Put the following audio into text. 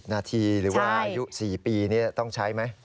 นาทีหรือว่าอายุ๔ปีนี้ต้องใช้ไหม